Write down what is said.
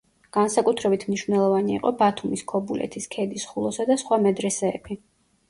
განსაკუთრებით მნიშვნელოვანი იყო ბათუმის, ქობულეთის, ქედის, ხულოს და სხვა მედრესეები.